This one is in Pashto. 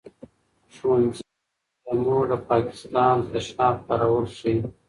ښوونځې تللې مور د پاک تشناب کارول ښيي.